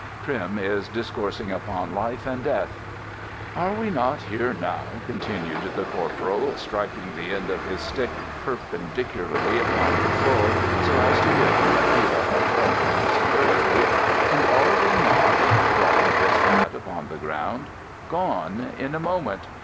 Trim is discoursing upon life and death: "Are we not here now, continued the Corporal (striking the end of his stick perpendicularly upon the floor, so as to give an idea of health and stability) and are we not (dropping his hat upon the ground) gone! in a moment!